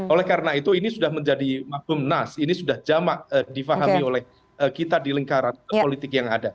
oleh karena itu ini sudah menjadi makbum nas ini sudah jamak difahami oleh kita di lingkaran politik yang ada